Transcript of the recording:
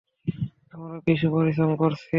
আমরা বেশি পরিশ্রম করছি।